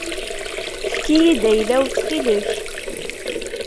Efk-iyi-d ayla-w ttxil-k.